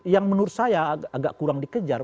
yang menurut saya agak kurang dikejar